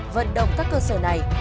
vận động các cơ sở này